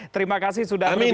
terima kasih sudah berbincang